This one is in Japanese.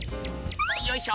よいしょ！